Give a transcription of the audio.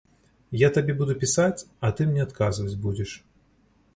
Я табе буду пісаць, а ты мне адказваць будзеш.